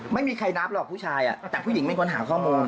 ไม่มีใครนับหรอกผู้ชายแต่ผู้หญิงไม่ควรหาข้อมูล